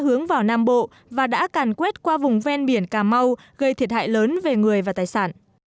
hướng vào nam bộ và đã càn quét qua vùng ven biển cà mau gây thiệt hại lớn về người và tài sản